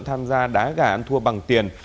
tham gia đá gán thua bằng tiền